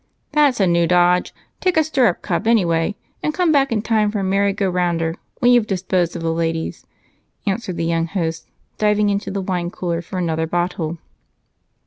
"That's a new dodge. Take a stirrup cup anyway, and come back in time for a merry go rounder when you've disposed of the ladies," answered the young host, diving into the wine cooler for another bottle.